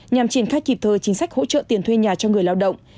nhằm triển khai kịp thời chính sách hỗ trợ tiền thuê nhà cho người lao động